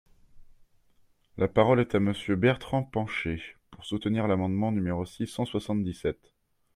La parole est à Monsieur Bertrand Pancher, pour soutenir l’amendement numéro six cent soixante-dix-sept.